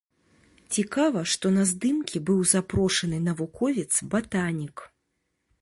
Цікава, што на здымкі быў запрошаны навуковец-батанік.